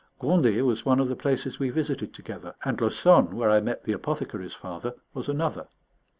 Gondet was one of the places we visited together; and Laussonne, where I met the apothecary's father, was another.